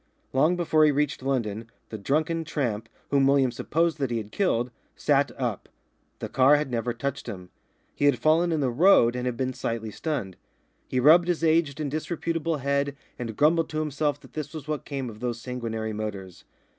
Long before he reached London, the drunken tramp, whom William supposed that he had killed, sat up. The car had never touched him. He had fallen in the road and had been slightly stunned. He rubbed his aged and disreputable head and grumbled to himself that this was what came of those sanguinary motors.